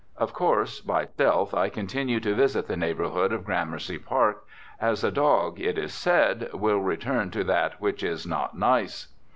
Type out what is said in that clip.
Of course, by stealth I continue to visit the neighbourhood of Gramercy Park, as a dog, it is said, will return to that which is not nice.